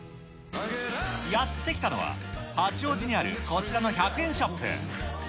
やって来たのは、八王子にあるこちらの１００円ショップ。